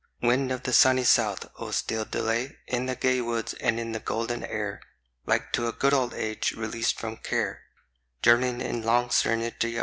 Wind of the sunny south! oh still delay In the gay woods and in the golden air, Like to a good old age released from care, Journeying, in long serenity, away.